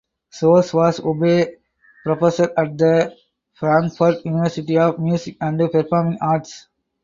Sous was oboe professor at the Frankfurt University of Music and Performing Arts.